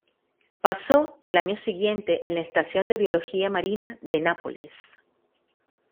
Pasó el año siguiente en la Estación de Biología Marina de Nápoles.